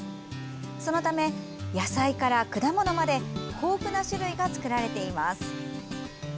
そのため、野菜から果物まで豊富な種類が作られています。